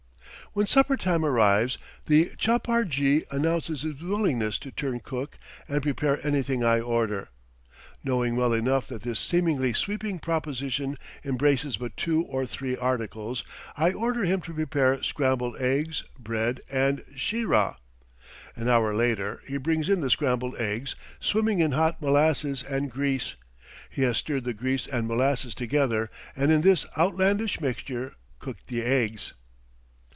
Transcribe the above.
When supper time arrives the chapar Jee announces his willingness to turn cook and prepare anything I order. Knowing well enough that this seemingly sweeping proposition embraces but two or three articles, I order him to prepare scrambled eggs, bread, and sheerah. An hour later he brings in the scrambled eggs, swimming in hot molasses and grease! He has stirred the grease and molasses together, and in this outlandish mixture cooked the eggs.